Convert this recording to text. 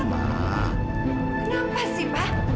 ma kenapa sih pak